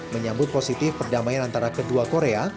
menyambut positif perdamaian antara kedua korea